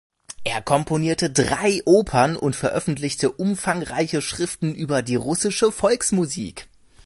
Er komponierte drei Opern und veröffentlichte umfangreiche Schriften über die russische Volksmusik.